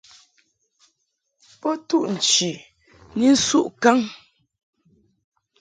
Bo ntuʼ nchi ni nsuʼ kaŋ.